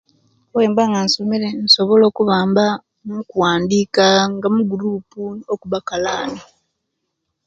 Owemba nga nsomere insobola kubamba mukuwandika nga mugurup okuba kalani